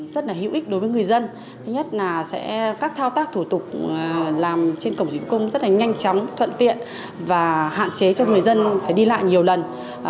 rất là hữu ích đối với người dân thứ nhất là sẽ các thao tác thủ tục làm trên cổng dịch vụ công rất là nhanh chóng thuận tiện và hạn chế cho người dân phải đi lại nhiều lần